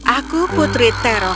aku putri terong